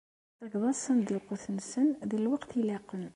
Tettakeḍ-asen-d lqut-nsen di lweqt ilaqen.